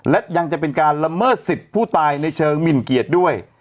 และยังจะเป็นการละเมิดสิทธิ์ผู้ตายในเชิงหมินเกียรติด้วย